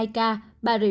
hai ca bà rịa